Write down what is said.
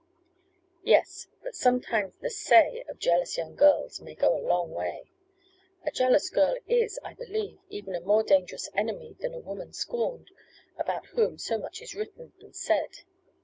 "Yes, but sometimes the 'say' of jealous young girls may go a long way. A jealous girl is, I believe, even a more dangerous enemy than a woman scorned, about whom so much is written and said.